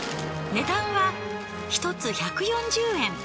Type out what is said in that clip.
値段は１つ１４０円。